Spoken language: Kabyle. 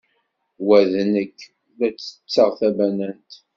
Wa d nekk, la ttetteɣ tabanant.